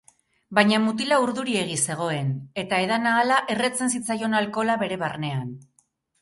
Baina mutila urduriegi zegoen, eta edan ahala erretzen zitzaion alkohola bere barnean.